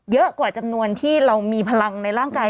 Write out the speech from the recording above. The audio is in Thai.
เยอะกว่าจำนวนที่เรามีพลังในร่างกาย